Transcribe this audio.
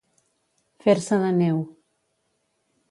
Fer-se de neu.